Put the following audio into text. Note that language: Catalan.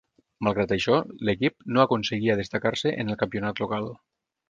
Malgrat això, l'equip no aconseguia destacar-se en el campionat local.